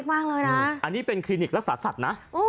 อันนี้เป็นคลินิกรักษาสัตว์นะ